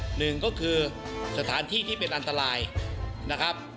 หนึ่งก็คือสถานที่ที่เป็นอันตรายนะครับ